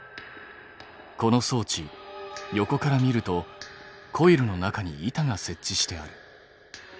この装置横から見るとコイルの中に板が設置してある。